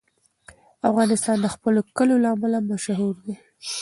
افغانستان د خپلو کلیو له امله هم مشهور دی.